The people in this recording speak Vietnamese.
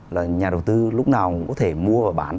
là nhà đầu tư lúc nào cũng có thể mua và bán